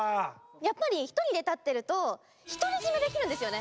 やっぱり１人で立ってると独り占めできるんですよね。